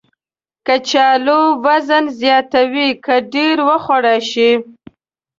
کچالو وزن زیاتوي که ډېر وخوړل شي